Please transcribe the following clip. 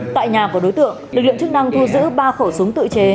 tại nhà của đối tượng lực lượng chức năng thu giữ ba khẩu súng tự chế